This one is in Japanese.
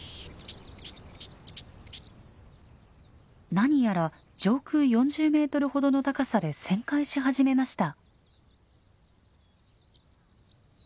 なにやら上空４０メートルほどの高さで旋回し始めました。